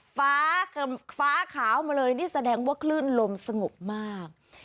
ฟ้าฟ้าขาวมาเลยนี่แสดงว่าคลื่นลมสงบมาก